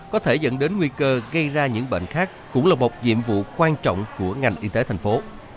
có thể dẫn đến nguy cơ gây ra những bệnh khác cũng là một nhiệm vụ quan trọng của ngành y tế thành phố